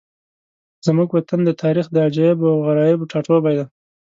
زموږ وطن د تاریخ د عجایبو او غرایبو ټاټوبی دی.